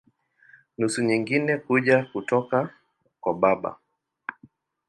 Nusu nyingine kuja kutoka kwa baba.